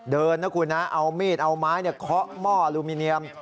เดินนะคุณนะเอามีดเอาไม้เคาะหม้อลูมิเนียม